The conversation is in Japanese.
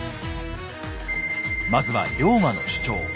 まずは龍馬の主張。